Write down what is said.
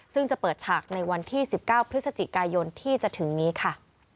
ซึ่งจะเปิดฉากในวันที่๑๙พฤศจิกายนที่จะถึงนี้ค่ะ